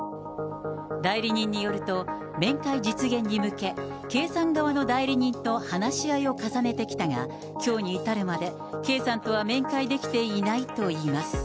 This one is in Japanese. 代理人によると、面会実現に向け、圭さん側の代理人と話し合いを重ねてきたが、きょうに至るまで、圭さんとは面会できていないといいます。